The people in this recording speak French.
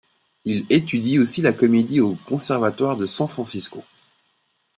Il étudie aussi la comédie au conservatoire de San Francisco.